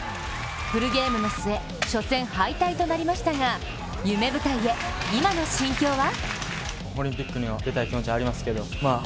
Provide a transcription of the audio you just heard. フルゲームの末、初戦敗退となりましたが夢舞台へ、今の心境は？